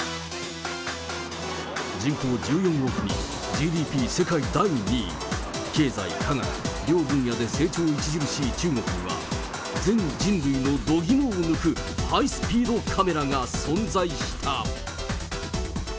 人口１４億人、ＧＤＰ世界第２位、経済、科学、両分野で成長著しい中国は、全人類の度肝を抜くハイスピードカメラが存在した。